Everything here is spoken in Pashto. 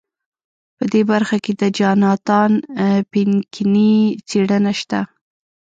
په دې برخه کې د جاناتان پینکني څېړنه شته.